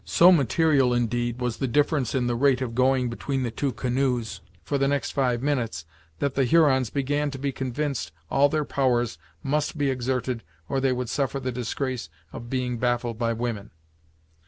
So material, indeed, was the difference in the rate of going between the two canoes for the next five minutes, that the Hurons began to be convinced all their powers must be exerted or they would suffer the disgrace of being baffled by women.